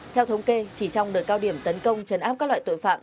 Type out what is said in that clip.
theo thống kê chỉ trong đợt cao điểm tấn công chấn áp các loại tội phạm